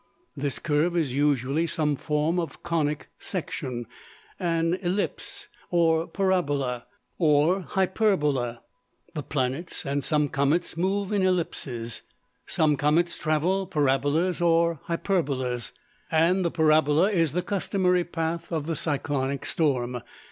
_ This curve is usually some form of conic section: an ellipse, parabola or hyperbola. The planets, and some comets, move in ellipses. Some comets travel parabolas or hyperbolas. And the parabola is the customary path of the cyclonic storm.